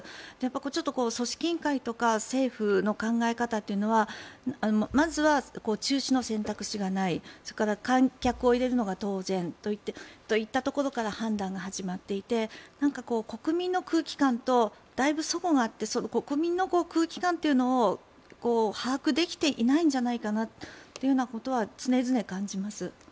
ちょっと組織委員会とか政府の考え方というのはまずは中止の選択肢がないそれから観客を入れるのは当然といったところから判断が始まっていて国民の空気感とだいぶ齟齬があって国民の空気感というのを把握できていないんじゃないかなというようなことは常々感じます。